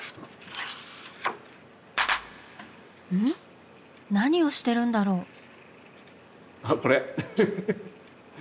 ん？何をしてるんだろう？